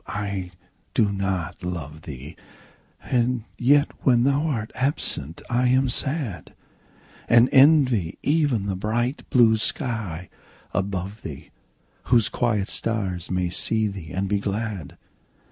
I do not love thee! And yet when thou art absent I am sad; And envy even the bright blue sky above thee, Whose quiet stars may see thee and be glad.